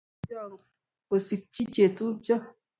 Much kuyai robik ko ma koschinio chetupyo